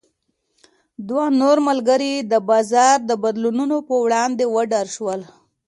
دوه نور ملګري یې د بازار د بدلونونو په وړاندې وډار شول.